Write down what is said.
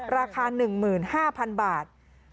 ราคา๑๕๐๐๐บาท